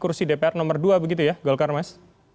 oke mas tantowi itu memang kursi dpr nomor dua begitu ya golkar mas